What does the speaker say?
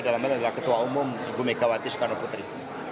dalam hal adalah ketua umum ibu megawati soekarno putri